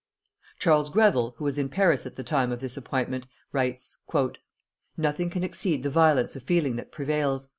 Charles Greville, who was in Paris at the time of this appointment, writes: "Nothing can exceed the violence of feeling that prevails.